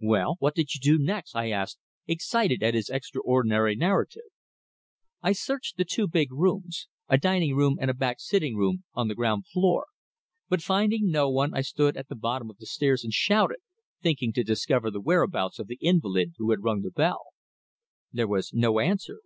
"Well, what did you do next?" I asked, excited at his extraordinary narrative. "I searched the two big rooms a dining room and a back sitting room on the ground floor, but finding no one, I stood at the bottom of the stairs and shouted, thinking to discover the whereabouts of the invalid who had rung the bell. There was no answer.